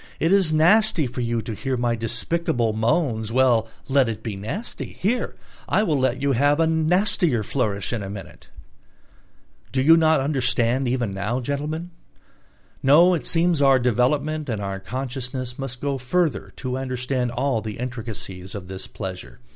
It is nasty for you to hear my despicable moans: well, let it be nasty; here I will let you have a nastier flourish in a minute...." You do not understand even now, gentlemen? No, it seems our development and our consciousness must go further to understand all the intricacies of this pleasure.